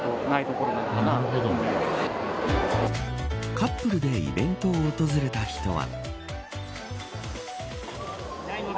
カップルでイベントを訪れた人は。